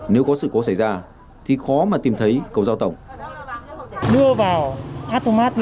nếu có sự cố xảy ra thì khó mà tìm thấy cầu giao tổng